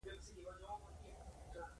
دغه راز رسنۍ اغېزناکې ثابتې شوې.